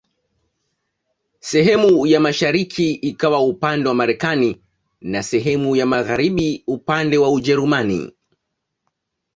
Sehemu ya mashariki ikawa upande wa Marekani na sehemu ya magharibi upande wa Ujerumani.